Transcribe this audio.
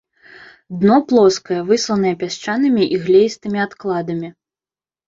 Дно плоскае, высланае пясчанымі і глеістымі адкладамі.